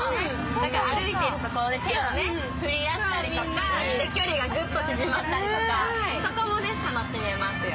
だから歩いていると手を振り合ったりとか距離がグッと縮まったりとか、そこも楽しめますよ。